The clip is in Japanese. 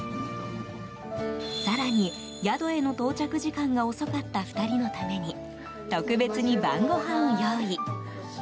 更に、宿への到着時間が遅かった２人のために特別に晩ごはんを用意。